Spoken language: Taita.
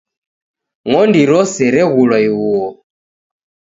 Ngondi rose reghulwa ighuo